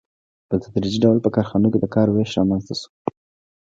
په تدریجي ډول په کارخانو کې د کار وېش رامنځته شو